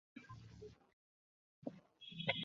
আর তখন আম্মুর শরীর অনেক দুর্বল হয়ে যায়।